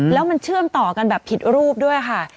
แล้วมันเชื่อมต่อกันแบบผิดรูปด้วยค่ะ